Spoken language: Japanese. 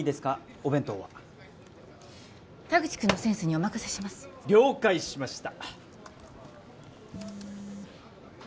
お弁当は田口君のセンスにお任せします了解しました